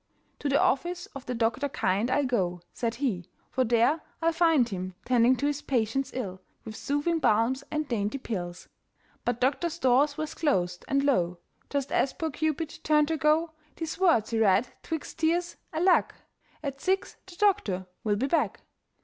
"To the office of the doctor kind I'll go," said he, "for there I'll find Him tending to his patients' ills With soothing balms and dainty pills." But doctor's doors were closed, and lo! Just as poor Cupid turned to go, These words he read 'twixt tears, alack! "At six the doctor will be back."